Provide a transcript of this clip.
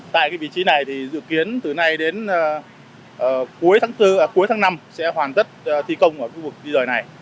tại vị trí này thì dự kiến từ nay đến cuối tháng năm sẽ hoàn tất thi công ở khu vực đi rời này